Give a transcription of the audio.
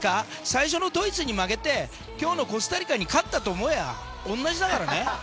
最初のドイツに負けて今日のコスタリカに勝ったと思えば同じだからね。